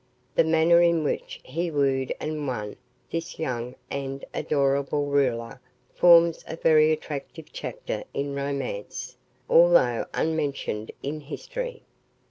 The manner in which he wooed and won this young and adorable ruler forms a very attractive chapter in romance, although unmentioned in history.